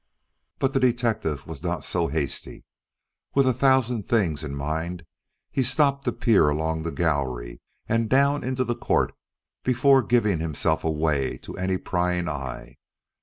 But the detective was not so hasty. With a thousand things in mind, he stopped to peer along the gallery and down into the court before giving himself away to any prying eye.